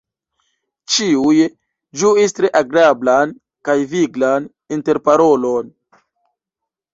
Ĉiuj ĝuis tre agrablan kaj viglan interparolon.